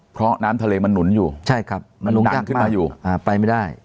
เพราะน้ำทะเลมันนุนอยู่นานขึ้นมาอยู่ไปไม่ได้